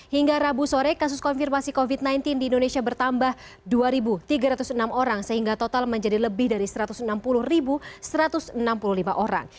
hingga rabu sore kasus konfirmasi covid sembilan belas di indonesia bertambah dua tiga ratus enam orang sehingga total menjadi lebih dari satu ratus enam puluh satu ratus enam puluh lima orang